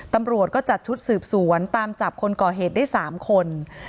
ตำรวจก็จัดชุดสืบสวนตามจับคนก่อเหตุได้๓คน